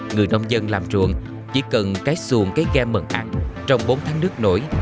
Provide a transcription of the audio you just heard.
người nông dân làm ruộng chỉ cần cái xuồng cái kem mận ăn trong bốn tháng nước nổi